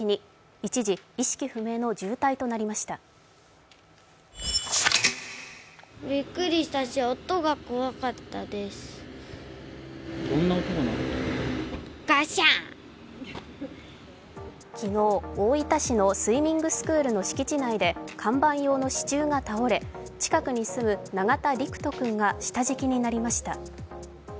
一時、意識不明の重体となりました昨日、大分市のスイミングスクールの敷地内で看板用の支柱が倒れ近くに住む永田陸人君が下敷きになりました。